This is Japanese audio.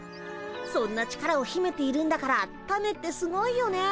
そんな力をひめているんだからタネってすごいよね。